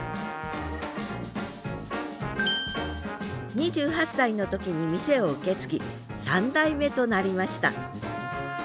２８歳の時に店を受け継ぎ３代目となりました。